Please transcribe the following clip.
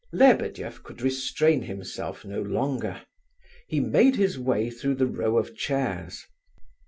Lebedeff could restrain himself no longer; he made his way through the row of chairs.